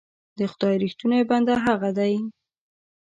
د خدای رښتونی بنده هغه دی.